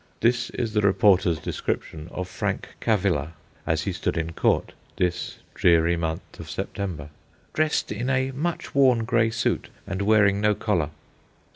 This is the reporter's description of Frank Cavilla as he stood in court, this dreary month of September, "dressed in a much worn grey suit, and wearing no collar."